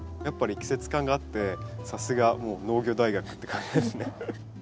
やっぱり季節感があってさすがもう農業大学って感じですね。